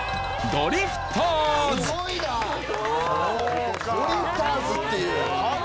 ドリフターズっていう。